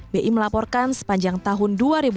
bi melaporkan sepanjang tahun dua ribu delapan belas